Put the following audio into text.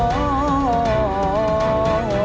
kau akan diserang kami